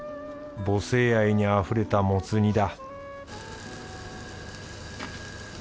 母性愛にあふれたもつ煮だ